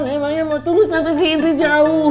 emangnya mau tulus sampai si indri jauh